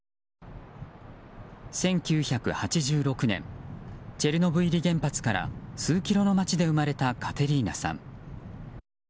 １９８６年チェルノブイリ原発から数キロの町で生まれたカテリーナさん。